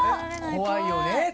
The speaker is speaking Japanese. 怖いよね。